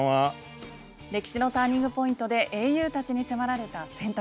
歴史のターニングポイントで英雄たちに迫られた選択。